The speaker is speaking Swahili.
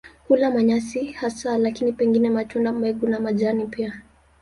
Hula manyasi hasa lakini pengine matunda, mbegu na majani pia.